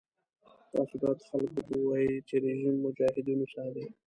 تاسو باید خلکو ته ووایئ چې رژیم مجاهدینو سره دی.